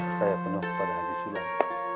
dan saya penuh kepada hadisulat